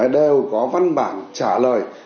đều có văn bản trả lời